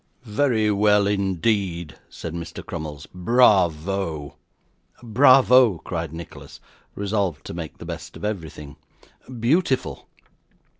'Very well indeed,' said Mr. Crummles; 'bravo!' 'Bravo!' cried Nicholas, resolved to make the best of everything. 'Beautiful!